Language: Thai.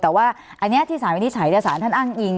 แต่ว่าอันนี้ที่สารวินิจฉัยสารท่านอ้างอิง